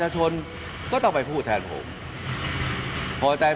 ท่านก็ให้เกียรติผมท่านก็ให้เกียรติผม